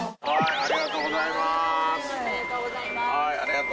ありがとうございます。